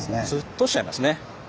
通しちゃいますね。